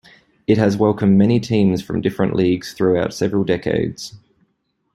It has welcomed many teams from different leagues throughout several decades.